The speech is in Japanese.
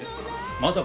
まさか。